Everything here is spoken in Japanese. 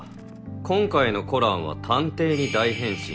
今回のコランは探偵に大変身。